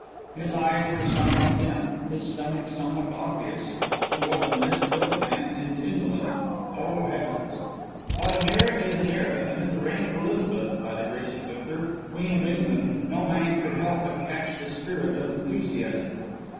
His eyes were somewhat dim, his stomach somewhat obvious he was a mis built man and indolent oh, Heavens! But an era is an era, and in the reign of Elizabeth, by the grace of Luther, Queen of England, no man could help but catch the spirit of enthusiasm.